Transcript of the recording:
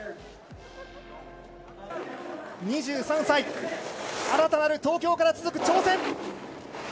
２３歳新たなる東京から続く挑戦。